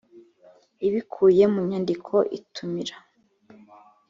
ibikubiye mu nyandiko itumira